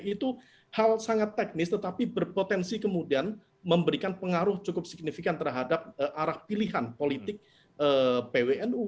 itu hal sangat teknis tetapi berpotensi kemudian memberikan pengaruh cukup signifikan terhadap arah pilihan politik pwnu